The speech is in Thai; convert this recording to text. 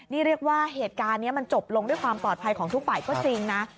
นี่เรียกว่าเหตุการณ์นี้มันจบลงด้วยความปลอดภัยของทุกฝ่ายก็จริงนะ